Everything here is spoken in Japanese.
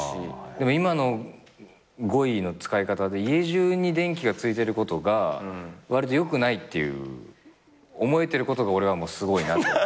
でも今の語彙の使い方で家中に電気がついてることがわりと良くないっていう思えてることが俺はすごいなって。